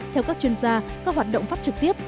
theo các chuyên gia các hoạt động phát trực tiếp